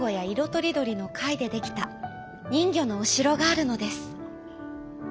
とりどりのかいでできたにんぎょのおしろがあるのです。